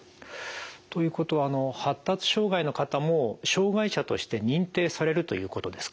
ということは発達障害の方も障害者として認定されるということですか？